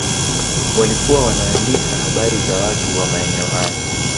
Walikuwa wanaandika habari za watu wa maeneo hayo